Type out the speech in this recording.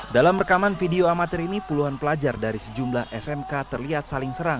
dalam rekaman video amatir ini puluhan pelajar dari sejumlah smk terlihat saling serang